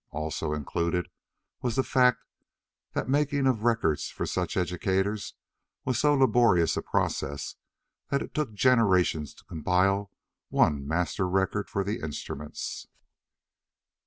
Also included was the fact that the making of records for such educators was so laborious a process that it took generations to compile one master record for the instruments.